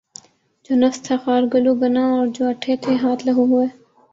جو نفس تھا خار گلو بنا جو اٹھے تھے ہاتھ لہو ہوئے